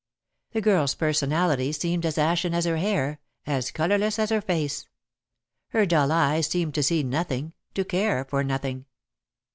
The girl's personality seemed as ashen as her hair, as colourless as her face. Her dull eyes seemed to see nothing, to care for nothing.